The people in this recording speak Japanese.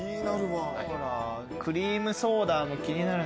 クリームソーダも気になるな。